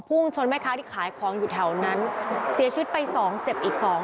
ชนแม่ค้าที่ขายของอยู่แถวนั้นเสียชีวิตไปสองเจ็บอีกสอง